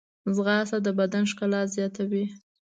ځغاسته د بدن ښکلا زیاتوي